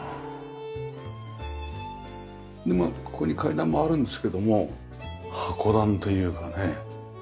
ここに階段もあるんですけども箱段というかね